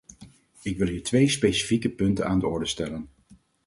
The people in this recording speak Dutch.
Ik wil hier twee specifieke punten aan de orde stellen.